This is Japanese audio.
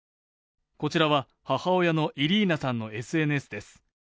こちらは母親のイリーナさんのＳＮＳです。